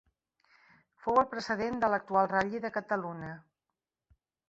Fou el precedent de l'actual Ral·li de Catalunya.